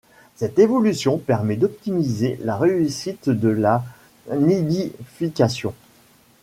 Cette évolution permet d'optimiser la réussite de la nidification.